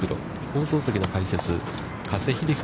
放送席の解説、加瀬秀樹